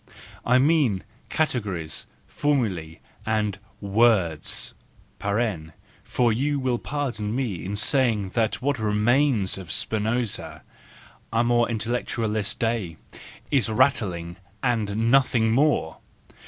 —I mean categories, formulae, and words (for you will pardon me in saying that what remains of Spinoza, amor intellectuals del , is rattling and nothing more!